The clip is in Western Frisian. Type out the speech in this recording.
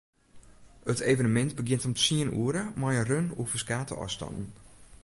It evenemint begjint om tsien oere mei in run oer ferskate ôfstannen.